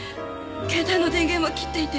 携帯の電源は切っていて。